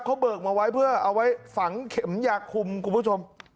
เขาเบิกมาไว้เพื่อเอาไว้ฝังเข็มยาคุมคุณผู้ชม